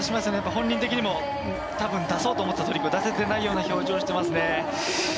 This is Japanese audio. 本人的にも出そうと思ってたトリック出せてない表情してますね。